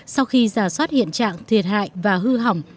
sau khi giả soát hiện trạng thiệt hại và hư hỏng